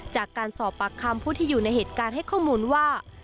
จากการสอบปากคำผู้ที่อยู่ในเหตุการณ์ให้ข้อมูลว่า